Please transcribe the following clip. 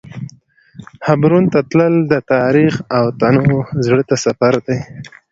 حبرون ته تلل د تاریخ او تنوع زړه ته سفر دی.